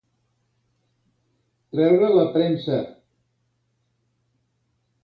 Treure la premsa.